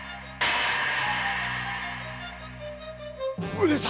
上様！